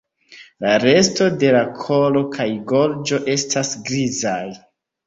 La resto de la kolo kaj gorĝo estas grizaj.